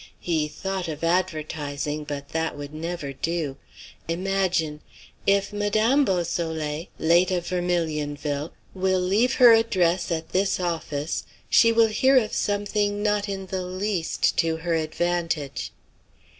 He thought of advertising; but that would never do. Imagine, "If Madame Beausoleil, late of Vermilionville, will leave her address at this office, she will hear of something not in the least to her advantage."